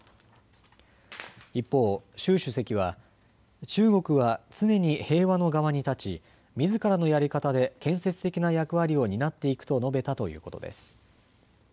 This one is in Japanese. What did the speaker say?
一方、習主席は中国は常に平和の側に立ちみずからのやり方で建設的な役割を担っていくと述べたということです。